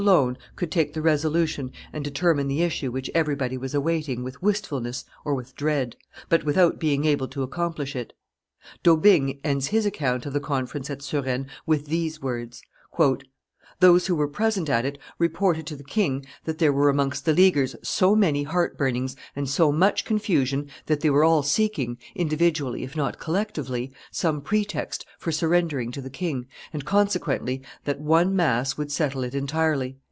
alone could take the resolution and determine the issue which everybody was awaiting with wistfulness or with dread, but without being able to accomplish it. D'Aubigne ends his account of the conference at Suresnes with these words: "Those who were present at it reported to the king that there were amongst the Leaguers so many heart burnings and so much confusion that they were all seeking, individually if not collectively, some pretext for surrendering to the king, and consequently, that one mass would settle it entirely."